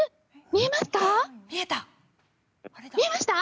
見えた。